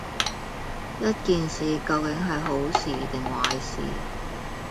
一件事究竟係好事定係壞事